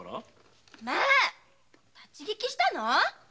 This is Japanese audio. まあ立ち聞きしたの？